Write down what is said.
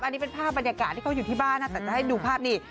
อันนี้เป็นภาพบรรยากาศที่เขาอยู่ที่บ้านนะแต่จะให้ดูภาพนี้